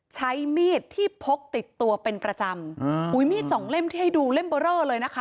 ใช้มีดที่พกติดตัวเป็นประจำอ่าอุ้ยมีดสองเล่มที่ให้ดูเล่มเบอร์เรอเลยนะคะ